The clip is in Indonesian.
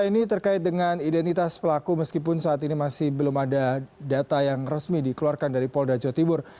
ini terkait dengan identitas pelaku meskipun saat ini masih belum ada data yang resmi dikeluarkan dari polda jawa timur